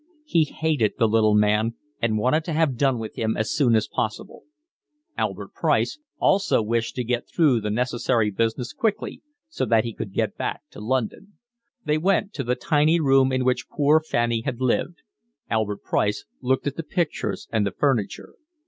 He hated the little man and wanted to have done with him as soon as possible. Albert Price also wished to get through the necessary business quickly so that he could get back to London. They went to the tiny room in which poor Fanny had lived. Albert Price looked at the pictures and the furniture.